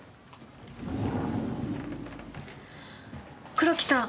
黒木さん。